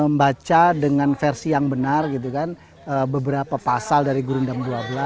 membaca dengan versi yang benar beberapa pasal dari gurindam dua belas